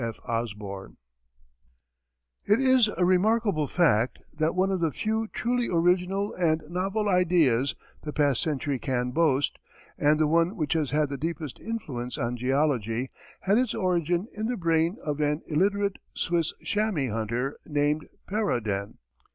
F. Osborne. It is a remarkable fact that one of the few truly original and novel ideas the past century can boast, and the one which has had the deepest influence on geology, had its origin in the brain of an illiterate Swiss chamois hunter named Perraudin.